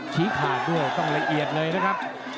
ขาดด้วยต้องละเอียดเลยนะครับ